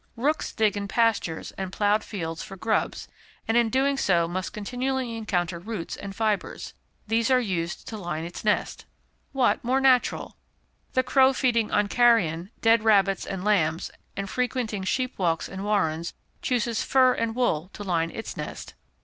Rooks dig in pastures and ploughed fields for grubs, and in doing so must continually encounter roots and fibres. These are used to line its nest. What more natural! The crow feeding on carrion, dead rabbits, and lambs, and frequenting sheep walks and warrens, chooses fur and wool to line its nest.